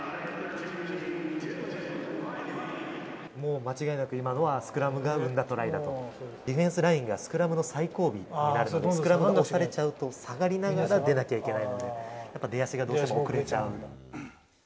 もう間違いなく今のは、スクラムが生んだトライだと、ディフェンスラインがスクラムの最後尾になるので、スクラムが押されちゃうと、下がりながら出なきゃいけないので、やっぱり出足がどうしても遅れちゃう。